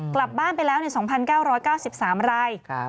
กลับบ้านไปแล้ว๒๙๙๓ราย